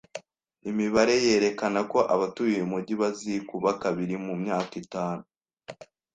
Imibare yerekana ko abatuye uyu mujyi bazikuba kabiri mu myaka itanu